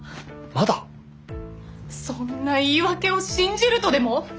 そんな言い訳を信じるとでも？